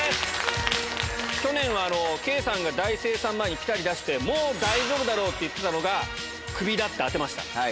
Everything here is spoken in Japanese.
去年は圭さんが大精算前にピタリ出して、もう大丈夫だろうって言ってたのが、クビだって当てました。